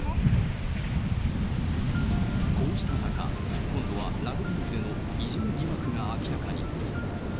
こうした中、今度はラグビー部でのいじめ疑惑が明らかに。